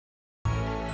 ayo temperat kim